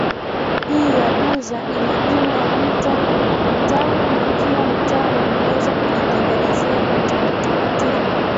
hii ya Buza ina jumla ya mitaa mitano na kila mtaa umeweza kujitengenezea taratibu